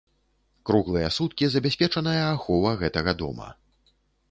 Круглыя суткі забяспечаная ахова гэтага дома.